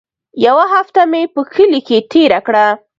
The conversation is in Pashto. يوه هفته مې په کلي کښې تېره کړه.